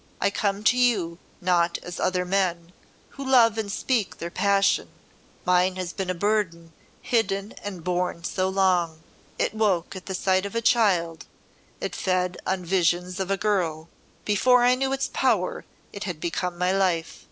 I come to you not as other men, who love and speak their passion. Mine has been a burden hidden and borne so long. It woke at sight of a child, it fed on visions of a girl; before I knew its power it had become my life.